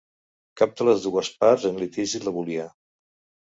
Cap de les dues parts en litigi la volia.